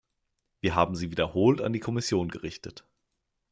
Wir haben sie wiederholt an die Kommission gerichtet.